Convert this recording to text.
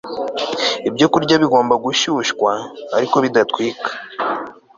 ibyokurya bigomba gushyushywa, ariko bidatwika